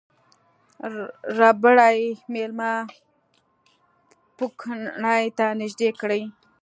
ربړي میله پوکڼۍ ته نژدې کړئ.